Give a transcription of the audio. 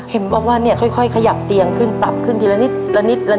เห็นบอกว่าเนี่ยค่อยขยับเตียงขึ้นปรับขึ้นทีละนิดละนิดละ